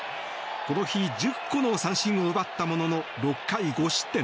この日１０個の三振を奪ったものの６回５失点。